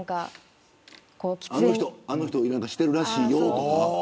あの人してるらしいよとか。